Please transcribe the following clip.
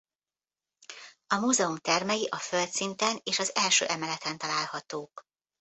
A múzeum termei a földszinten és az első emeleten találhatók.